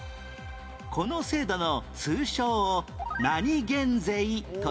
この制度の通称を何減税という？